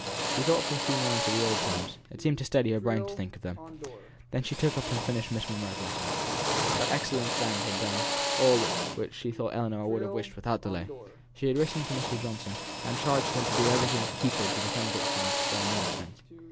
She thought for a few moments of the old times; it seemed to steady her brain to think of them. Then she took up and finished Miss Monro's letter. That excellent friend had done all which she thought Ellinor would have wished without delay. She had written to Mr. Johnson, and charged him to do everything he could to defend Dixon and to spare no expense.